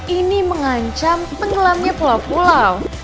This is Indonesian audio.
ini mengancam tenggelamnya pulau pulau